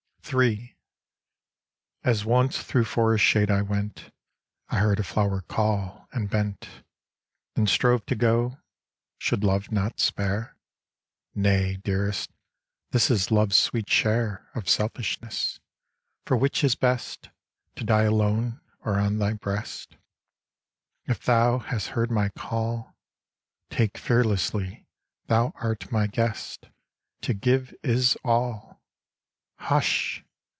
III As once through forest shade I went, I heard a flower call, and bent Then strove to go. Should love not spare? "Nay, Dearest, this is love's sweet share Of selfishness. For which is best, To die alone or on thy breast? If thou hast heard my call, Take fearlessly, thou art my guest To give is all" Hush!